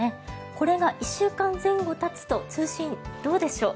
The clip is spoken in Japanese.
これが１週間前後たつと中心、どうでしょう？